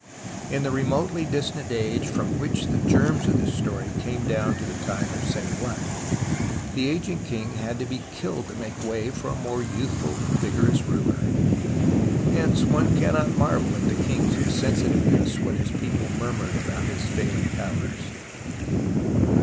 In the remotely distant age, from which the germs of this story came down to the time of Seti I, the ageing king had to be killed to make way for a more youthful THE STORY OF THE FLOOD 97 and vigorous ruler. Hence one cannot marvel at the king's sensitiveness when his people murmured about his failing powers.